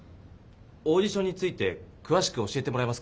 オーディションについてくわしく教えてもらえますか？